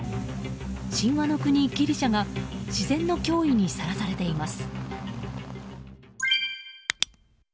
神話の国ギリシャが自然の脅威にさらされています。